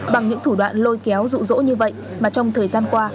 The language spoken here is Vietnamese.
bằng những thủ đoạn lôi kéo rụ rỗ như vậy mà trong thời gian qua